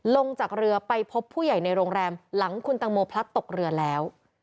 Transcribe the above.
ลงจากเรือไปพบผู้ใหญ่ในโรงแรมหลังคุณตังโมพลัดตกเรือแล้ว